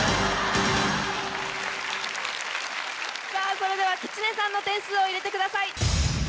それではきつねさんの点数を入れてください。